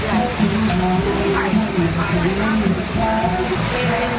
วันนี้ตัวเองยิ่งไปแล้ว